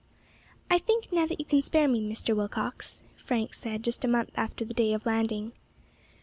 "I THINK now that you can spare me, Mr. Willcox," Frank said, just a month after the day of landing.